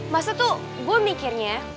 maksudnya tuh gua bakal mikirnya